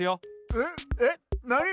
えっえっなに！？